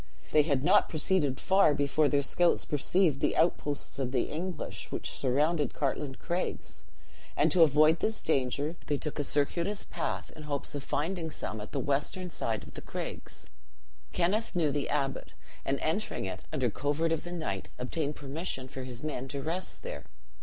They had not proceeded far before their scouts perceived the outposts of the English, which surrounded Cartlane Craigs; and to avoid this danger, they took a circuitous path, in hopes of finding some at the western side of the craigs. Kenneth knew the abbot; and entering it under covert of the night, obtained permission for his men to rest there.